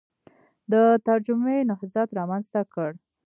د ترجمې نهضت رامنځته کړ